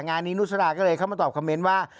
งานนี้นุษราก็เลยเข้ามาตอบคอมเมนต์ว่า